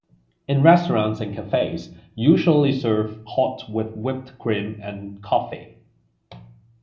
In restaurants and cafes usually served hot with whipped cream and coffee.